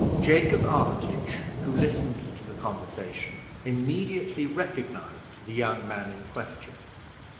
Jacob Armitage, who listened to the conversation, immediately recognized the young man in question.